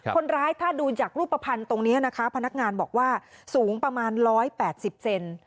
คนร้ายถ้าดูจากรูปภัณฑ์ตรงนี้นะคะพนักงานบอกว่าสูงประมาณ๑๘๐เซน